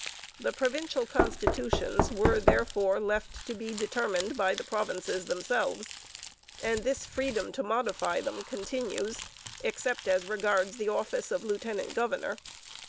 The provincial constitutions were, therefore, left to be determined by the provinces themselves, and this freedom to modify them continues, 'except as regards the office of lieutenant governor.'